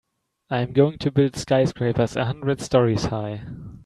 I'm going to build skyscrapers a hundred stories high.